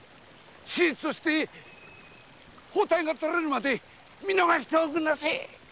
手術して包帯がとれるまで見逃しておくんなせえ！